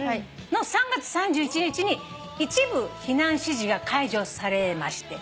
の３月３１日に一部避難指示が解除されまして。